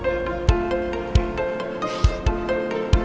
oooh dihormati mereka